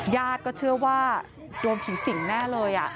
ญาติก็เชื่อว่าโดนผีสิงแน่เลย